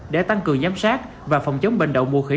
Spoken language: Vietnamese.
để tăng cường giám sát và phòng chống bệnh đậu mùa khỉ